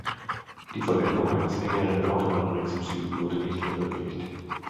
Die Vollendung eines engeren Autobahnrings im Süden wurde nicht verwirklicht.